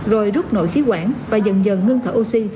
rồi rút nội khí quản và dần dần ngưng thở oxy